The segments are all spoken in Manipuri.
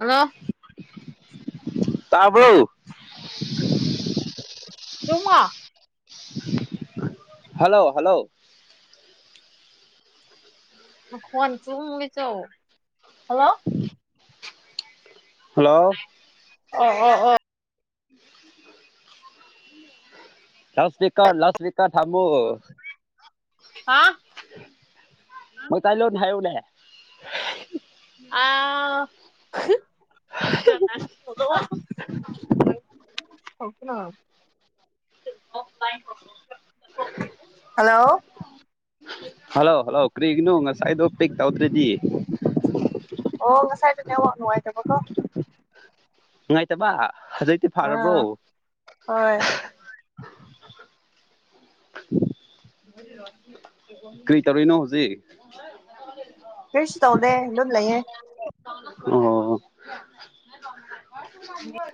ꯍꯜꯂꯣ ꯇꯕ ꯇꯨꯡ ꯍꯜꯂꯣ ꯍꯜꯂꯣ ꯈꯟ ꯆ ꯆꯣ ꯍꯜꯂꯣ ꯍꯜꯂꯣ ꯑ ꯍꯣ ꯍꯣꯏ [unintelligible] ꯂꯁꯃꯤꯀ ꯂꯁꯃꯤꯀꯥ ꯊꯃꯨ ꯍꯥꯥ ꯃ ꯀꯥꯏ ꯂꯣ ꯍꯥꯏꯥꯏꯨꯅꯦ ꯎꯝ ꯑꯥ [unintelligible] ꯍꯜꯂꯣ ꯍꯜꯂꯣ ꯀꯔꯤꯒꯤꯅꯣ ꯉꯁꯥꯏꯗꯣ ꯄꯤꯦꯛ ꯇꯧꯗ꯭ꯔꯗꯤ ꯑꯣ ꯉꯁꯥꯏ ꯑꯗꯨꯅꯦ ꯑ ꯅꯨꯡꯉꯥꯏꯇꯕꯀꯣ ꯉꯅꯨꯡꯉꯥꯏꯇꯕꯕꯥ ꯍꯧꯖꯤꯩꯗꯤꯤ ꯐꯔꯕ꯭ꯔꯣ ꯑꯥ ꯍꯣꯏ ꯀꯔꯤ ꯇꯧꯔꯤꯅꯣ ꯍꯧꯖꯤꯛ ꯐꯁꯨ ꯇꯧꯗꯦ ꯂꯝ ꯂꯩꯌꯦꯦ ꯑꯣ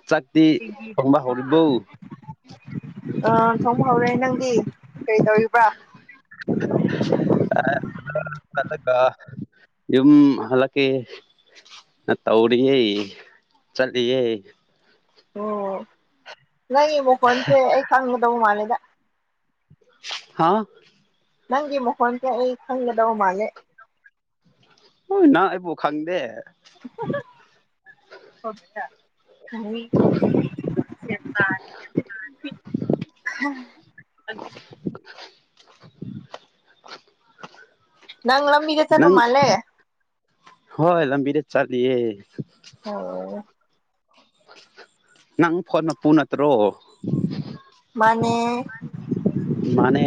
ꯆꯥꯛꯗꯤ ꯊꯣꯡꯕꯥ ꯍꯔꯔꯤꯕꯧ ꯎ ꯑ ꯆꯠꯂꯒ ꯌꯨꯝ ꯍꯜꯂꯛꯀꯦ ꯇꯧꯔꯤꯌꯦ ꯆꯠꯂꯤꯌꯦ ꯑꯣꯝ ꯅꯪꯕꯨ ꯐꯣꯟꯁꯦ ꯑꯩ ꯈꯪꯒꯗꯕꯨ ꯃꯥꯅꯦꯗ ꯍꯥꯥ ꯅꯪꯒꯤ ꯃꯈꯣꯟꯁꯦ ꯑꯩ ꯈꯪꯒꯗꯧ ꯃꯥꯜꯂꯦ ꯍꯣꯏ ꯅꯍꯪ ꯑꯩꯕꯨ ꯈꯪꯗꯦ ꯍ [unintelligible] [unintelligible] ꯅꯪ ꯂꯝꯝꯕꯗ ꯆꯄ ꯅꯪ ꯃꯥꯂꯦ ꯍꯣꯏ ꯂꯝꯕꯤꯗꯦ ꯆꯥꯌꯦ ꯍ ꯅꯪ ꯐꯣꯟꯅꯄꯨ ꯅꯠꯇ꯭ꯔꯣ ꯃꯅꯦ ꯃꯥꯅꯦ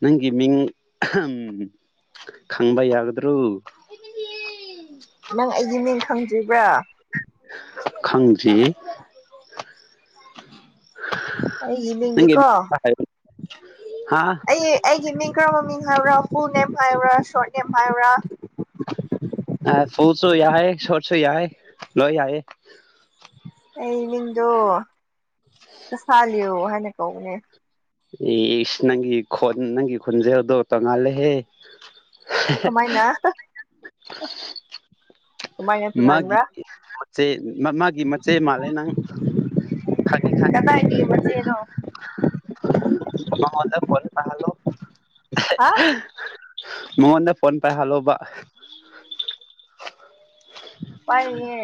ꯅꯪꯒꯤ ꯃꯤꯡ ꯎ ꯈꯪꯕ ꯌꯥꯒꯗ꯭ꯔꯣ ꯅꯪ ꯑꯩꯒꯤ ꯃꯤꯡ ꯈꯪꯗ꯭ꯔꯤꯕ꯭ꯔꯥ ꯈꯪꯖꯤ ꯑꯩ ꯏꯃꯤꯗꯤꯦꯀꯣ ꯍꯥ ꯑꯩ ꯑꯩꯒꯤ ꯃꯤ ꯃꯃꯤꯡ ꯍꯥꯏꯕ꯭ꯔꯥꯄꯨ ꯅꯦꯝ ꯍꯥꯏꯕ꯭ꯔꯥ ꯁꯣꯔꯤ ꯃꯍꯥꯏꯔꯥ ꯑ ꯐꯜꯁꯨꯏ ꯍꯥꯏꯌꯦ ꯁꯣꯔꯁꯣꯏ ꯌꯥ ꯂꯣꯏ ꯍꯥꯏꯌꯦ ꯑꯩ ꯃꯤꯡꯗꯣ ꯀꯁꯥꯂꯤꯌꯣ ꯍꯥꯏꯅ ꯀꯧꯕꯅꯦ ꯑꯦꯁ ꯅꯪ ꯈꯣꯟ ꯅꯪ ꯈꯣꯟꯟꯖꯦꯟꯗꯣ ꯇꯣꯉꯜꯂꯦꯍꯦ ꯀꯃꯥꯏꯅ ꯀꯃꯥꯏꯅ ꯃꯥꯒꯤ ꯇꯣꯉꯥꯟꯕ꯭ꯔꯥ ꯃ ꯃꯥꯒꯤ ꯃꯆꯦ ꯃꯥꯜꯂꯦ ꯅꯪ ꯈꯪꯉꯤ ꯈꯪꯉꯦ ꯀꯗꯥꯏꯒꯤ ꯃꯆꯦꯅꯣ ꯃꯉꯣꯟꯗ ꯐꯣꯟ ꯇꯥꯍꯜꯂꯣ ꯍꯥ ꯃꯉꯣꯟꯗ ꯐꯣꯟ ꯄꯥꯏ ꯍꯜꯂꯣꯕꯥ ꯎ [inaudible] ꯄꯔꯌꯦ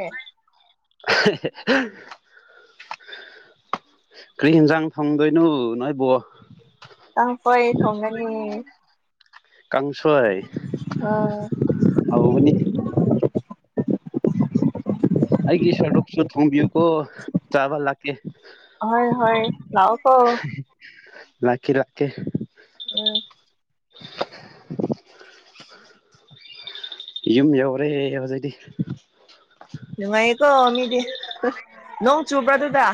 ꯀꯔꯤ ꯌꯦꯟꯁꯥꯡ ꯐꯪꯗꯣꯏꯅꯣ ꯅꯣꯏ ꯏꯕꯣ ꯅꯪ ꯐꯩ ꯊꯣꯡꯒꯅꯤ ꯀꯥꯡꯁꯣꯏ ꯑꯥ ꯍꯧꯒꯅꯤ ꯑꯩꯒꯤ ꯁꯔꯞꯁꯨ ꯊꯣꯡꯀꯣ ꯆꯕꯜ ꯍꯥꯀꯦ ꯍꯣꯏ ꯍꯣꯏ ꯂꯑꯣ ꯀꯣ ꯉꯈꯥꯛ ꯀ ꯎꯝ ꯌꯨꯝ ꯌꯧꯔꯦ ꯍꯧꯖꯤꯛꯗꯤ ꯅꯨꯡꯉꯥꯏꯀꯣ ꯃꯤꯗꯤ ꯅ ꯆꯨꯕ꯭ꯔꯗꯨꯗ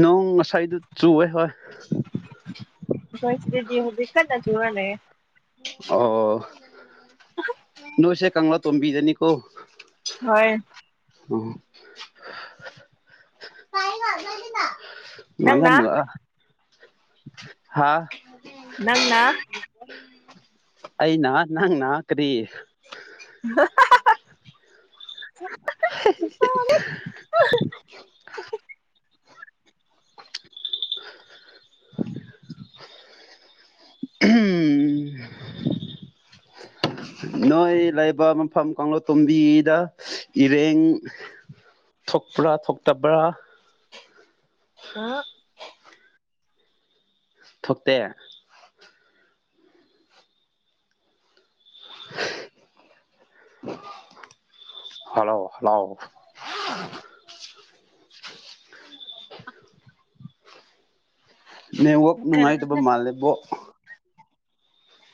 ꯅꯣꯡ ꯉꯁꯥꯏꯗꯨ ꯆꯨꯋꯦ ꯍꯣꯏ ꯀꯣꯏꯁꯤꯤꯗꯤ ꯍꯨ ꯤꯀꯠ ꯅꯆ ꯋꯥꯅꯦ ꯑꯣ ꯅꯣꯏꯁ ꯀꯪꯂꯥ ꯇꯣꯝꯕꯤꯖꯅꯤꯀꯣ ꯍꯣꯏ ꯑꯣ [inaudible] ꯃꯂ ꯅꯪꯅ ꯑꯃꯒ ꯍꯥꯥ ꯅꯟꯅ ꯎ ꯑꯩ ꯅꯍ ꯅꯪ ꯅꯅꯥ ꯀꯔꯤ [inaudible] [inaudible] ꯎꯝ ꯅꯣꯏ ꯂꯩꯕ ꯃꯐꯝ ꯀꯥꯡꯂꯨꯞ ꯇꯣꯝꯕꯤꯗ ꯏꯔꯦꯡ ꯊꯣꯛꯄ꯭ꯔꯥ ꯊꯣꯛꯇꯕ꯭ꯔꯥ ꯑ ꯊꯣꯛꯇꯦ ꯍꯜꯂꯣ ꯍꯜꯂꯣ ꯅꯦꯋꯥꯛ ꯀꯔ ꯅꯨꯡꯉꯥꯏꯇꯕ ꯃꯥꯜꯂꯦꯕꯣ